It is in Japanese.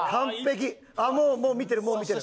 もう見てるもう見てる。